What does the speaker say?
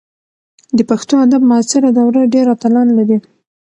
د پښتو ادب معاصره دوره ډېر اتلان لري.